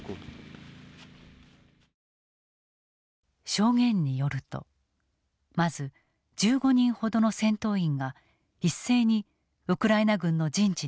証言によるとまず１５人ほどの戦闘員が一斉にウクライナ軍の陣地に突撃する。